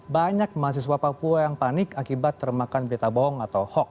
banyak mahasiswa papua yang panik akibat termakan berita bohong atau hoax